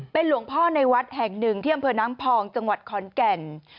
หลวงพ่อในวัดแห่งหนึ่งที่อำเภอน้ำพองจังหวัดขอนแก่น